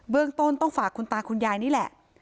เรื่องต้นต้องฝากคุณตาคุณยายนี่แหละ